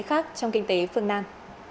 khác trong kinh tế phương nam